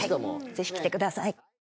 ぜひ来てください。